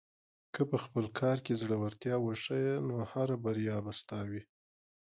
که په خپل کار کې زړۀ ورتیا وښیې، نو هره بریا به ستا وي.